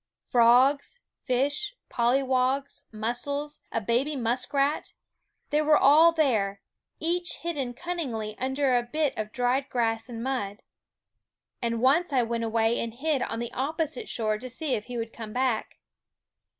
Frogs, fish, pollywogs, mussels, a baby muskrat, they were all there, each hidden cunningly under THE WOODS * a bit of dried grass and mud. And once I went away and hid on the opposite shore to see if he would come back.